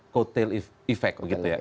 kotel efek gitu ya